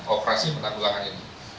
operasi penanggulangan ini